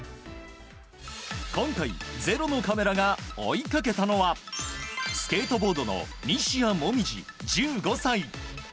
今回、「ｚｅｒｏ」のカメラが追いかけたのはスケートボードの西矢椛、１５歳。